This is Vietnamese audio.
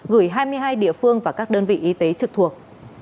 gửi hai mươi hai địa phương và các đơn vị y tế trực thuộc